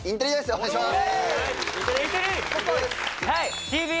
お願いします